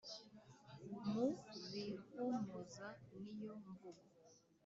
Mu bihumuza niyo mvugo